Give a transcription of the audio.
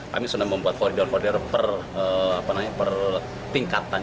kami sudah membuat koridor koridor per tingkatan